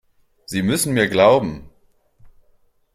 Sie müssen mir glauben!